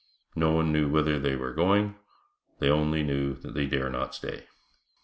No one knew whither they were going, they only knew that they dare not stay.